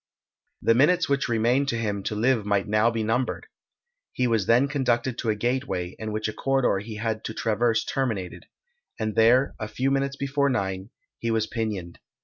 The minutes which remained to him to live might now be numbered. He was then conducted to a gateway; in which a corridor he had to traverse terminated, and there, a few minutes before nine, he was pinioned.